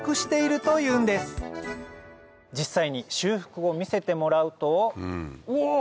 実際に修復を見せてもらうとお！